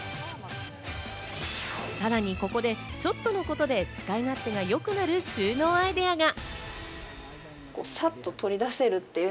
さらにここで、ちょっとのことで使い勝手が良くなる収納アイデアが。